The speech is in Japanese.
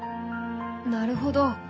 なるほど。